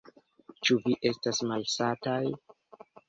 Ĉu vi estas malsataj?